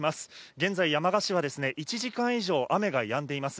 現在、山鹿市は、１時間以上雨がやんでいます。